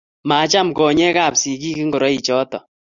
Macham konyeek ab sikiik ngoroik choto.